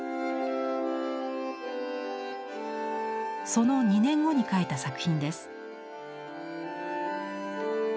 その２年後に描いた作品です。